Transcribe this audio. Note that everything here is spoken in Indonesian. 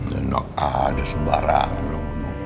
nenok ada sembarangan lo